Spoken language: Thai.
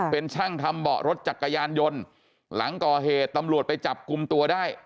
เป็นช่างทำเบาะรถจักรยานยนต์หลังก่อเหตุตำรวจไปจับกลุ่มตัวได้